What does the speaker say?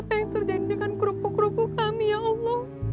apa yang terjadi dengan kerupuk kerupuk kami ya allah